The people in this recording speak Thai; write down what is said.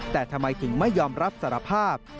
แต่ทำไมถึงไม่ยอมรับสารภาพ